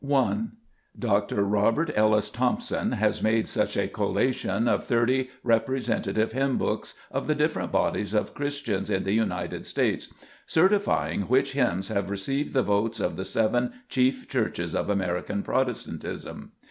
i. Dr. Robert Ellis Thompson* has made such a collation of thirty representative hymn books of the different bodies of Christians in the United States, " certifying which hymns have received the votes of the seven chief Churches of American Protestantism.